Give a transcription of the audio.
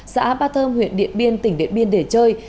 xã ba thơm huyện điện biên tỉnh điện biên để chơi